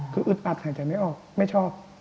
คืออึดอัดหายใจไม่ออกไม่ชอบ